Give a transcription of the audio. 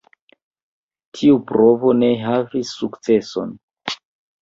Tiu provo ne havis sukceson.